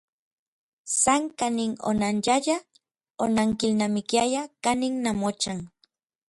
San kanin onanyayaj, onankilnamikiayaj kanin namochan.